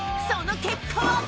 その結果は！？］